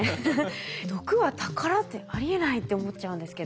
毒は宝ってありえないって思っちゃうんですけど。